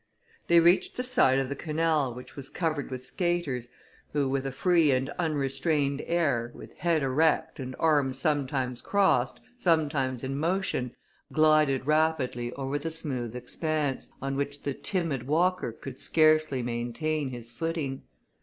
They reached the side of the canal, which was covered with skaters, who, with a free and unrestrained air, with head erect, and arms sometimes crossed, sometimes in motion, glided rapidly over the smooth expanse, on which the timid walker could scarcely maintain his footing.